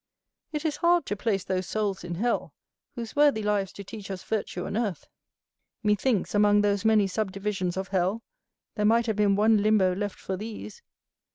It is hard to place those souls in hell, whose worthy lives do teach us virtue on earth. Methinks, among those many subdivisions of hell, there might have been one limbo left for these.